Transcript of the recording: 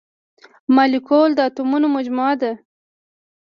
مالیکول د اتومونو مجموعه ده.